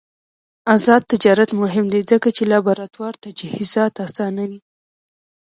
آزاد تجارت مهم دی ځکه چې لابراتوار تجهیزات اسانوي.